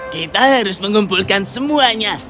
kita harus mengumpulkan semuanya